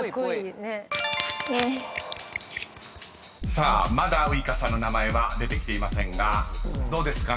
［さあまだウイカさんの名前は出てきていませんがどうですか？